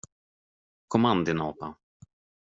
Kom an, din apa!